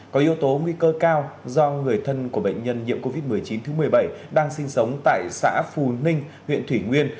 có yếu tố nguy cơ cao do người thân của bệnh nhân nhiễm covid một mươi chín thứ một mươi bảy đang sinh sống tại xã phù ninh huyện thủy nguyên